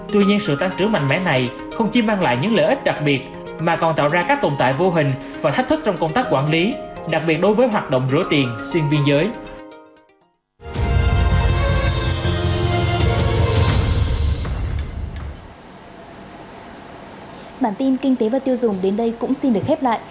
tuy nhiên sự tăng trưởng mạnh mẽ này không chỉ mang lại những lợi ích đặc biệt mà còn tạo ra các tồn tại vô hình và thách thức trong công tác quản lý đặc biệt đối với hoạt động rửa tiền xuyên biên giới